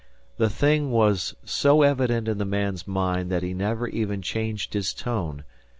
The thing was so evident in the man's mind that he never even changed his tone.